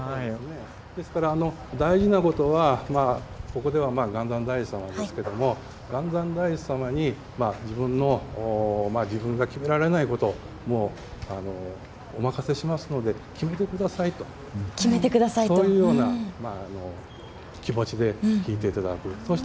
大事なことはここでは元三大師様ですけど元三大師様に自分が決められないことをお任せしますので決めてくださいとそういうような気持ちで引いていただく。